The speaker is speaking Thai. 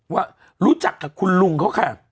ว่ารู้จักกับคุณลุงเขาค่ะ